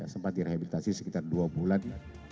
sempat direhabilitasi sekitar dua bulan